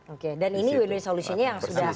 oke dan ini win win solutionnya yang sudah